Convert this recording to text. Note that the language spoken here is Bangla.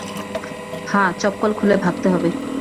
হ্যাঁ, চপ্পল খুলে ভাগতে হবে।